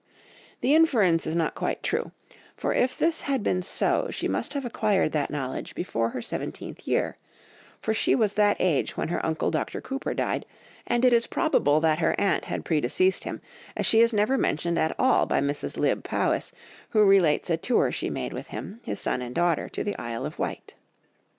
The inference is not quite true, for if this had been so she must have acquired that knowledge before her seventeenth year, for she was that age when her uncle Dr. Cooper died, and it is probable that her aunt had predeceased him as she is never mentioned at all by Mrs. Lybbe Powys, who relates a tour she made with him, his son and daughter, to the Isle of Wight.